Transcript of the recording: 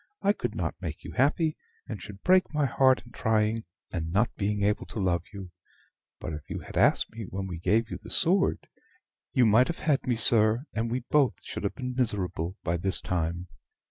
I could not make you happy, and should break my heart in trying, and not being able to love you. But if you had asked me when we gave you the sword, you might have had me, sir, and we both should have been miserable by this time.